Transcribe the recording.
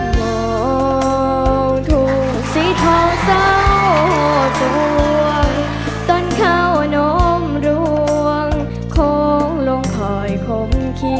โปรดติดตามตอนตอนตอน